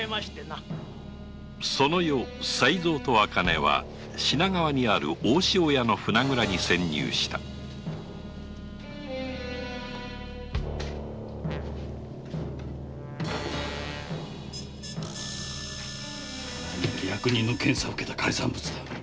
その夜才三と茜は品川にある大潮屋の船蔵に潜入したこれが役人の検査を受けた海産物だ。